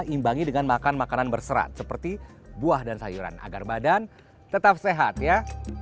imbangi dengan makan makanan berserat seperti buah dan sayuran agar badan tetap sehat ya